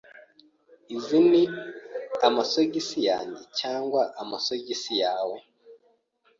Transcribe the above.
Izi ni amasogisi yanjye cyangwa amasogisi yawe?